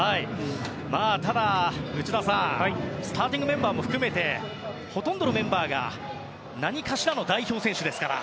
ただ、内田さんスターティングメンバーも含めほとんどのメンバーが何かしらの代表選手ですから。